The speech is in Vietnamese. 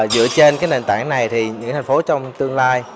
dựa trên nền tảng này những thành phố trong tương lai